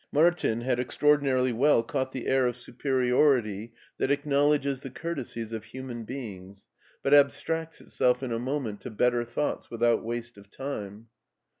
Mar tin had extraordinarily well caught the air of superior 176 MARTIN SCHULER ity that acknowledges the courtesies of human beings, but abstracts itself in a moment to better thoughts without waste of time.